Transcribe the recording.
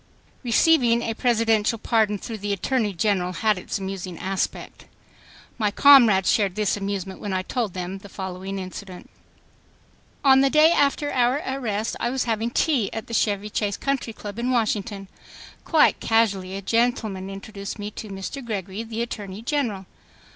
Receiving a Presidential pardon through the Attorney General had its amusing aspect. My comrades shared this amusement when I told them the following incident. On the day after our arrest, I was having tea at the Chevy Chase Country Club in Washington. Quite casually a gentleman introduced me to Mr. Gregory, the Attorney General.